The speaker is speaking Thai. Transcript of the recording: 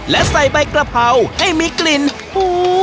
และใส่ใบกระเพราให้มีกลิ่นหู